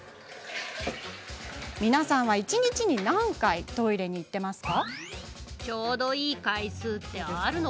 皆さんは一日何回トイレに行っていますか？